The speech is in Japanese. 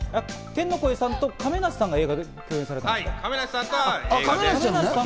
天の声さんと亀梨さんが映画で共演されたんですね。